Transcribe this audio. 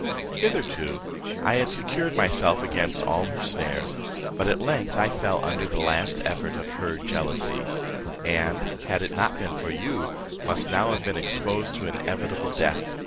"Hitherto I had secured myself against all her snares, but at length I fell under the last effort of her jealousy; and, had it not been for you, must now have been exposed to inevitable death.